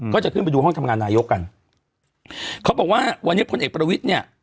ก็จะขึ้นไปดูห้องทำงานนายกกันเขาบอกว่าวันนี้พลเอกประวิทย์เนี่ย